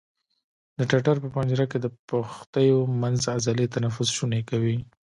د ټټر په پنجره کې د پښتیو منځ عضلې تنفس شونی کوي.